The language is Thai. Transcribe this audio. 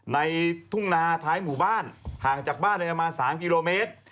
ทุ่งนาท้ายหมู่บ้านห่างจากบ้านเลยประมาณ๓กิโลเมตร